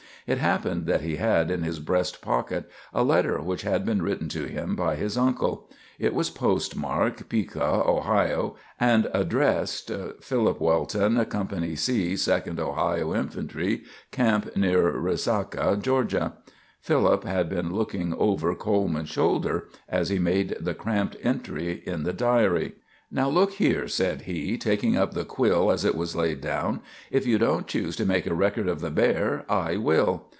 It happened that he had in his breast pocket a letter which had been written to him by his uncle. It was postmarked, "Piqua, Ohio," and addressed, "Philip Welton, Co. C, 2d Ohio Infy., Camp near Resaca, Ga." Philip had been looking over Coleman's shoulder as he made the cramped entry in the diary. "Now look here," said he, taking up the quill as it was laid down; "if you don't choose to make a record of the bear, I will."